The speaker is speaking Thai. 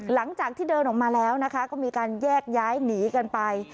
หลังจากที่เดินออกมาแล้วนะคะก็มีการแยกย้ายหนีกันไป